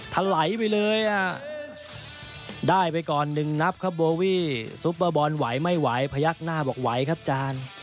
ถลายไปเลยอ่ะได้ไปก่อนหนึ่งนับครับโบวี่ซุปเปอร์บอลไหวไม่ไหวพยักหน้าบอกไหวครับจาน